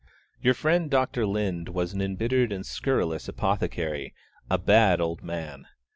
Your friend Dr. Lind was an embittered and scurrilous apothecary, 'a bad old man.'